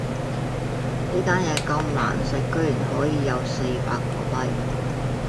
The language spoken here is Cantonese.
呢間咁難食嘅居然可以有四百個 like